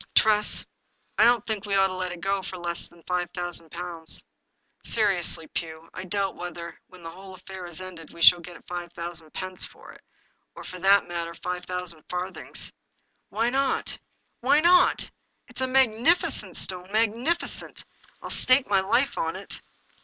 " Tress, I don't think we ought to let it go for less than — ^than five thousand pounds." " Seriously, Pugh, I doubt whether, when the whole af fair is ended, we shall get five thousand pence for it, or, for the matter of that, five thousand farthings." " But why not ? Why not ? It's a magnificent stone — magnificent I I'll stake my life on it."